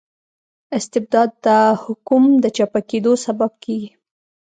استبداد د حکوم د چپه کیدو سبب کيږي.